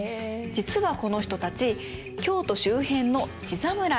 実はこの人たち京都周辺の地侍。